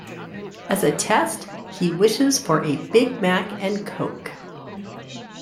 As a test, he wishes for a Big Mac and Coke.